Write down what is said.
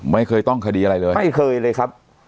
ไม่เคยต้องคดีอะไรเลยไม่เคยเลยครับ